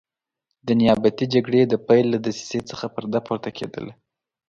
د نیابتي جګړې د پیل له دسیسې څخه پرده پورته کېدله.